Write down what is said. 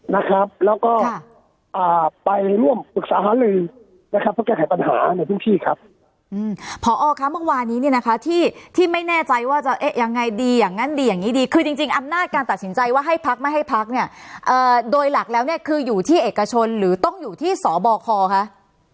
นะครับแล้วก็ไปร่วมปรึกษาเลยนะครับเพื่อแก้ไขปัญหาในพื้นที่ครับ